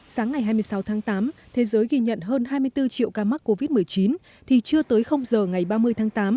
sáng ngày hai mươi sáu tháng tám thế giới ghi nhận hơn hai mươi bốn triệu ca mắc covid một mươi chín thì chưa tới giờ ngày ba mươi tháng tám